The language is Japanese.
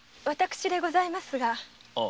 私でございますが？